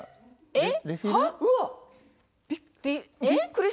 「えっ！」